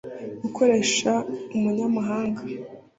gukoresha umunyamahanga